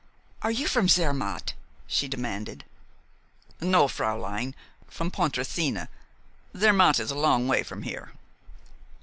"Are you from Zermatt?" she demanded. "No, fräulein from Pontresina. Zermatt is a long way from here."